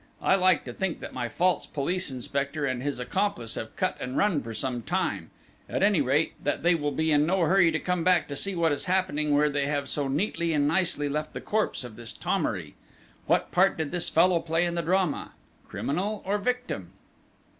I like to think that my false police inspector and his accomplice have cut and run for some time; at any rate, that they will be in no hurry to come back to see what is happening where they have so neatly and nicely left the corpse of this Thomery.... What part did this fellow play in the drama?... Criminal or victim?"